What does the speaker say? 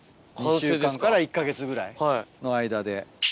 １週間から１か月ぐらいの間で。